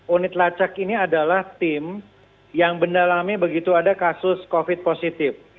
unit lacak ini adalah tim yang mendalami begitu ada kasus covid positif